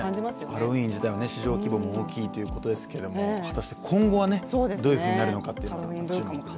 ハロウィーン自体は市場規模も大きいということですけれども、果たして今後は、どういうふうになるのか注目ですね。